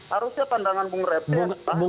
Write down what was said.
harusnya pandangan bu ngereplikan